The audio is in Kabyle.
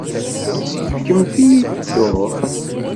Fkemt-iyi-d dduṛt.